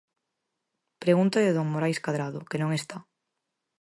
Pregunta de don Morais Cadrado, que non está.